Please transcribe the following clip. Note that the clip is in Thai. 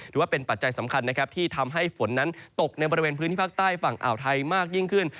ถือว่าเป็นปัจจัยสำคัญที่ทำให้ฝนตกในภาคใต้แห่งฝั่งอ่าวไทยมากยิ่งขึ้น